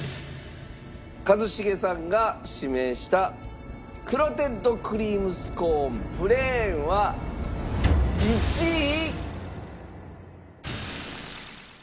一茂さんが指名したクロテッドクリームスコーンプレーンは１位。